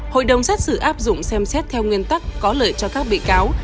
hội đồng xét xử áp dụng xem xét theo nguyên tắc có lợi cho các bị cáo